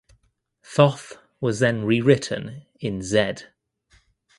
Thoth was then rewritten in Zed.